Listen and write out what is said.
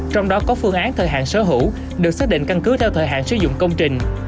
trong đó có phương án thời hạn sở hữu được xác định căn cứ theo thời hạn sử dụng công trình